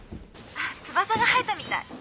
翼がはえたみたい。